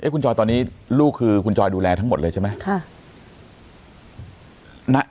คุณจอยตอนนี้ลูกคือคุณจอยดูแลทั้งหมดเลยใช่ไหม